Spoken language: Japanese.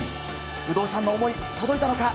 有働さんの思い届いたのか。